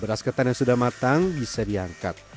beras ketan yang sudah matang bisa diangkat